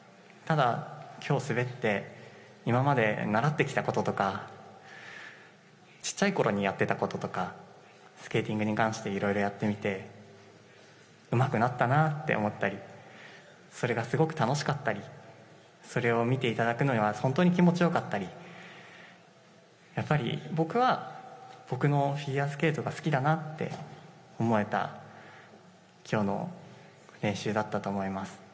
ただ、きょう滑って、今まで習ってきたこととか、ちっちゃいころにやってたこととか、スケーティングに関していろいろやってみて、うまくなったなぁって思ったり、それがすごく楽しかったり、それを見ていただくのは本当に気持ちよかったり、やっぱり僕は僕のフィギュアスケートが好きだなって思えた、きょうの練習だったと思います。